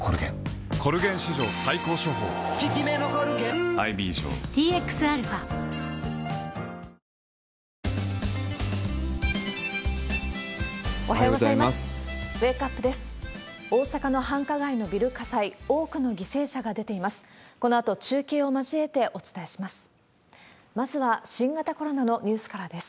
このあと中継を交えてお伝えします。